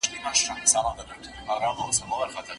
که یو زده کوونکی ډېرې کلمې واوري نو املا یې ښه کېږي.